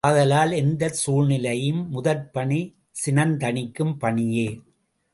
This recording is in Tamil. ஆதலால், எந்தச் சூழ்நிலையிலும் முதற்பணி சினந்தனிக்கும் பணியே.